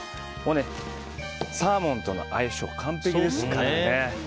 サーモンとの相性完璧ですからね。